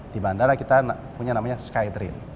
di bandara kita punya namanya skytrain